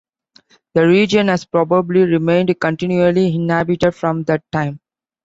The region has probably remained continually inhabited from that time.